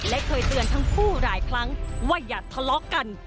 และเคยเตือนทั้งคู่หลายครั้งว่าอย่าทะเลาะกัน